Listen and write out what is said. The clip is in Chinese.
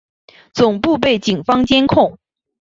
总部被警方监控。